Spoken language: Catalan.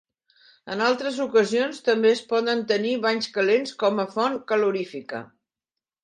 En altres ocasions també es poden tenir banys calents com a font calorífica.